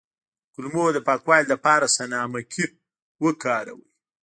د کولمو د پاکوالي لپاره سنا مکی وکاروئ